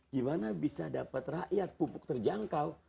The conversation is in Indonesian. gimana bisa dapat rakyat pupuk terjangkau